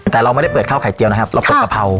แต่เราไม่ได้เปิดข้าวไข่เจียวนะครับเราเปิดกะเพรา